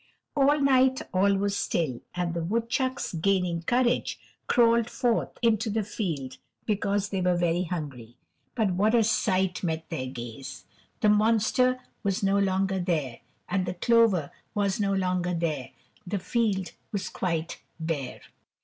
At night all was still, and the woodchucks, gaining courage, crawled forth into the field because they were very hungry. But what a sight met their gaze! The monster was no longer there, and the clover was no longer there; the field was quite bare.